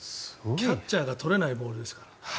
キャッチャーが取れないボールですから。